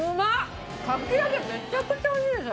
かき揚げめちゃくちゃ美味しいです。